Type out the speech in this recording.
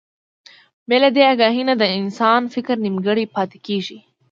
بې له دې اګاهي نه د انسان فکر نيمګړی پاتې کېږي.